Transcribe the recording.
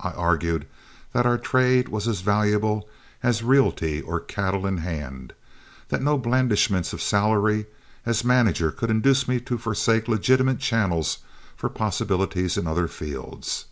I argued that our trade was as valuable as realty or cattle in hand; that no blandishments of salary as manager could induce me to forsake legitimate channels for possibilities in other fields.